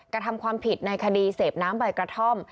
กระทำความผิดในคดีเสพน้ำใบกระท่อม